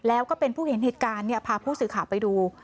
แล้วก็เป็นผู้เห็นเหตุการณ์พาผู้สื่อข่าวไปดู